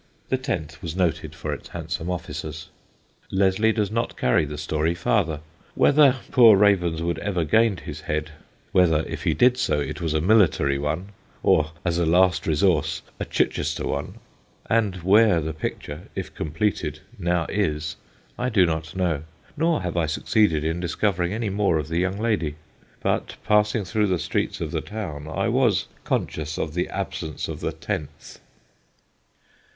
'" (The Tenth was noted for its handsome officers.) Leslie does not carry the story farther. Whether poor Ravenswood ever gained his head; whether if he did so it was a military one, or, as a last resource, a Chichester one; and where the picture, if completed, now is, I do not know, nor have I succeeded in discovering any more of the young lady. But passing through the streets of the town I was conscious of the absence of the Tenth.